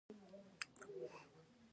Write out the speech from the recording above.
آیا د سرو زرو کانونه هم هلته نشته؟